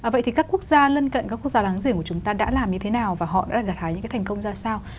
vậy thì các quốc gia lân cận các quốc gia láng giềng của chúng ta đã làm như thế nào và họ đã gạt hái những cái thành công ra sao